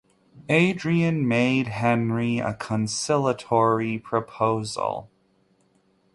Adrian made Henry a conciliatory proposal.